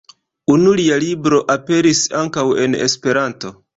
Unu lia libro aperis ankaŭ en esperanto.